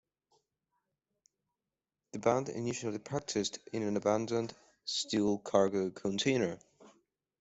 The band initially practised in an abandoned steel cargo container.